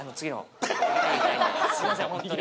すいませんホントに。